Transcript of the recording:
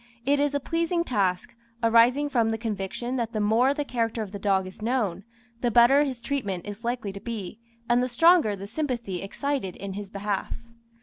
It is a pleasing task, arising from the conviction that the more the character of the dog is known, the better his treatment is likely to be, and the stronger the sympathy excited in his behalf.